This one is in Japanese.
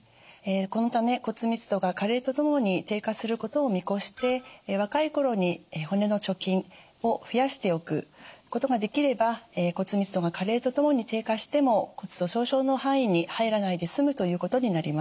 このため骨密度が加齢とともに低下することを見越して若い頃に骨の貯金を増やしておくことができれば骨密度が加齢とともに低下しても骨粗しょう症の範囲に入らないで済むということになります。